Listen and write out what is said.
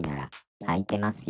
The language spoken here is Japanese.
開いてますよ！